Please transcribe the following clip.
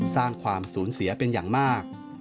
สร้างความสูญเสียเป็นอย่างมาก